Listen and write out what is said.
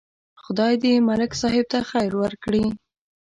خدای دې ملک صاحب ته خیر ورکړي.